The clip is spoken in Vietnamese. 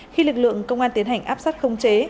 khi lực lượng công an tiến hành áp sát không chế